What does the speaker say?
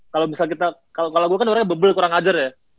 kalo misal kita kalo gue kan orangnya bebel kurang ajar ya